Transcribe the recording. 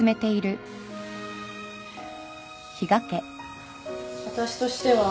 私としては。